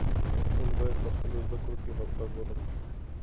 موږ باید په خپلو زده کړو کې غفلت ونه کړو.